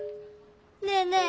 ねえねえ